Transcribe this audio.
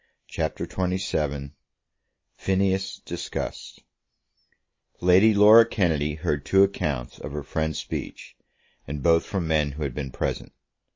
CHAPTER XXVII Phineas Discussed Lady Laura Kennedy heard two accounts of her friend's speech, and both from men who had been present.